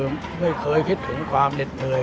ผมไม่เคยคิดถึงความเหน็ดเหนื่อย